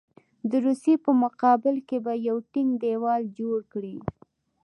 د روسیې په مقابل کې به یو ټینګ دېوال جوړ کړي.